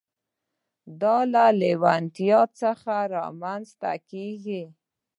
دا له نه لېوالتيا څخه نه رامنځته کېږي.